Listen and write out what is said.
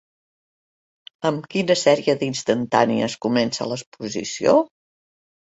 Amb quina sèrie d'instantànies comença l'exposició?